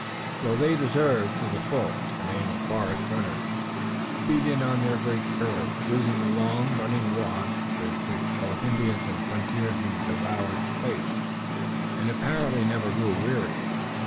So they deserved to the full the name of forest runners, speeding on their great curve, using the long, running walk with which both Indians and frontiersmen devoured space, and apparently never grew weary.